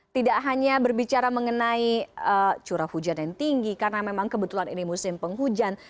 tidak hanya berbicara mengenai curah hujan yang tinggi karena memang kebetulan ini musim penghujan